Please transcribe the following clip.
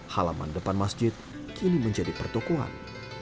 halaman depan masjid kini menjadi pertokohan